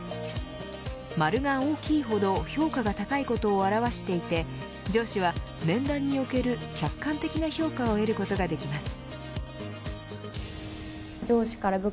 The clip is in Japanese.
丸が大きいほど評価が高いことを表していて上司は面談における客観的な評価を得ることができます。